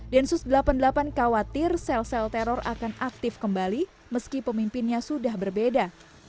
densus delapan puluh delapan khawatir sel sel teror akan aktif kembali meski pemimpinnya sudah berbeda